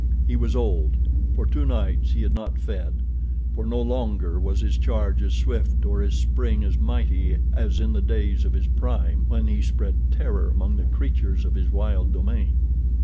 He was old. For two nights he had not fed, for no longer was his charge as swift or his spring as mighty as in the days of his prime when he spread terror among the creatures of his wild domain.